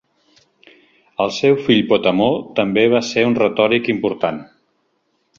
El seu fill Potamó també va ser un retòric important.